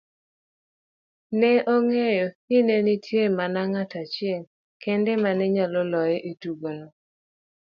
Ne ong'eyo nine nitie mana ng'at achiel kende mane nyalo loye etugono.